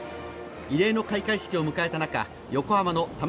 異例の開会式を迎えた中横浜の玉